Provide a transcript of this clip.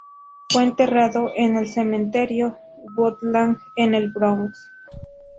Fue enterrado en el en Cementerio Woodlawn, en el Bronx.